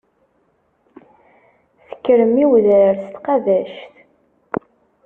Tekkrem i wedrar s tqabact.